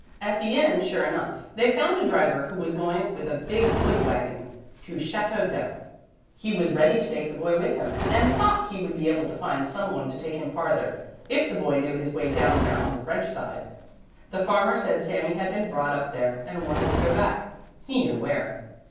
At the inn, sure enough, they found a driver who was going with a big wood wagon to Château d'Æux. He was ready to take the boy with him and thought he would be able to find someone to take him farther, if the boy knew his way down there on the French side. The farmer said Sami had been brought up there and wanted to go back, he knew where.